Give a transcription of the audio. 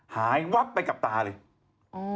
วับไปกับตาเลย